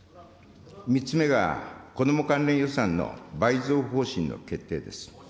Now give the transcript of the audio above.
３つ目が、こども関連予算の倍増方針の決定です。